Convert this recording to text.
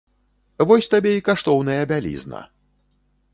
Вось табе і каштоўная бялізна!